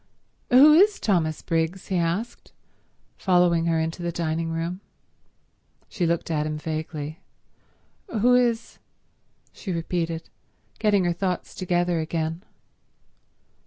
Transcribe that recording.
"Who is Thomas Briggs?" he asked, following her into the dining room. She looked at him vaguely. "Who is—?" she repeated, getting her thoughts together again.